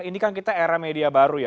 ini kan kita era media baru ya